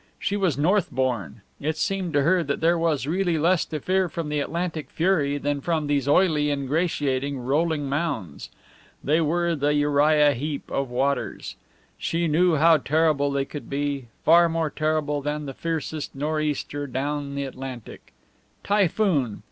She was North born. It seemed to her that there was really less to fear from the Atlantic fury than from these oily, ingratiating, rolling mounds. They were the Uriah Heep of waters. She knew how terrible they could be, far more terrible than the fiercest nor'easter down the Atlantic. Typhoon!